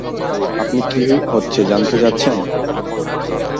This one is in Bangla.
আপনি কী হচ্ছে জানতে চাচ্ছেন।